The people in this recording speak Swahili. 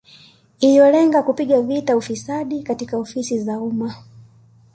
Iliyolenga kupiga vita ufisadi katika ofisi za umma